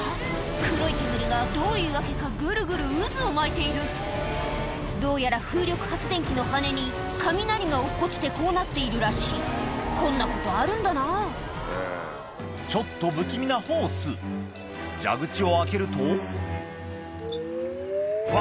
黒い煙がどういう訳かぐるぐる渦を巻いているどうやら風力発電機の羽根に雷が落っこちてこうなっているらしいこんなことあるんだなぁちょっと不気味なホース蛇口を開けるとうわ！